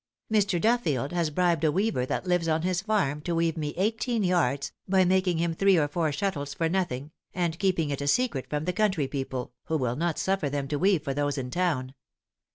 Mr. Duffield has bribed a weaver that lives on his farm to weave me eighteen yards, by making him three or four shuttles for nothing, and keeping it a secret from the country people, who will not suffer them to weave for those in town.